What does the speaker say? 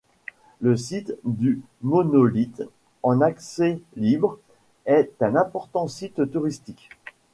Le site du monolithe, en accès libre, est un important site touristique.